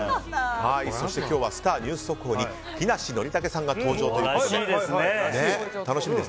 そして今日はスター☆ニュース速報に木梨憲武さんが登場ということで。